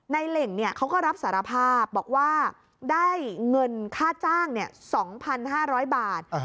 ในเหล่งเนี่ยเขาก็รับสารภาพบอกว่าได้เงินค่าจ้างเนี่ย๒๕๐๐บาท